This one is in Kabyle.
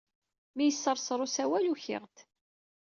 Mi yesserser usawal, ukiɣ-d.